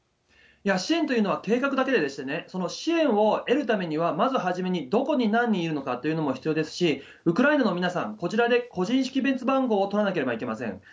いや、支援というのは定額だけででして、支援を得るためには、まず初めに、どこに何人いるのかというのも必要ですし、ウクライナの皆さん、こちらで個人識別番号を取らなければいけません。